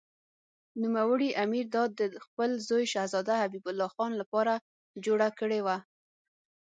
نوموړي امیر دا د خپل زوی شهزاده حبیب الله خان لپاره جوړه کړې وه.